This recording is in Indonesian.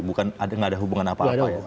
bukan tidak ada hubungan apa apa ya